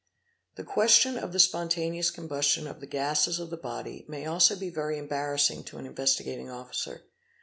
The question of the spontaneous combustion of the gases of the body may also be very embarrassing to an Investigating Officer.